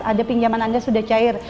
ada pinjaman anda sudah cair